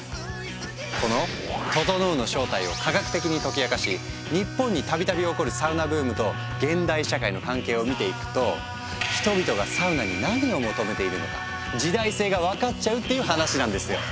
この「ととのう」の正体を科学的に解き明かし日本に度々起こるサウナブームと現代社会の関係を見ていくと人々がサウナに何を求めているのか時代性が分かっちゃうっていう話なんですよ。